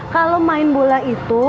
kalau main bola itu